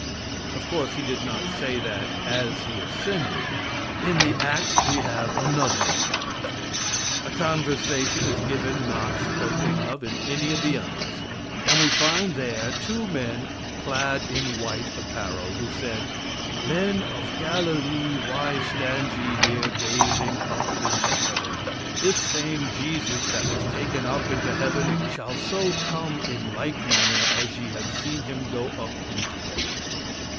Of course He did not say that as He ascended. In the Acts we have another account. A conversation is given not spoken of in any of the others, and we find there two men clad in white apparel, who said: "Men of Galilee, why stand ye here gazing up into heaven? This same Jesus that was taken up into heaven shall so come in like manner as ye have seen Him go up into Heaven."